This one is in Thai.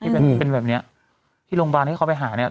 ที่โรงพยาบาลที่เขาไปหาเนี่ย